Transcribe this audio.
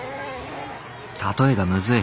例えがむずい